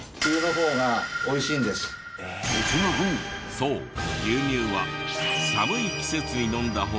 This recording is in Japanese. そう牛乳は寒い季節に飲んだ方が美味しい。